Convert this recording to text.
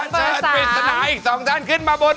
วันที่เธอพบมันในหัวใจฉัน